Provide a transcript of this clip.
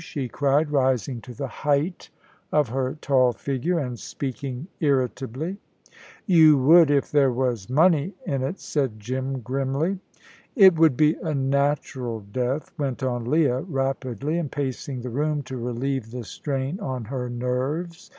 she cried, rising to the height of her tall figure and speaking irritably. "You would if there was money in it," said Jim, grimly. "It would be a natural death," went on Leah, rapidly, and pacing the room to relieve the strain on her nerves.